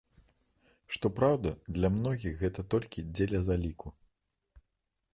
Што праўда, для многіх гэта толькі дзеля заліку.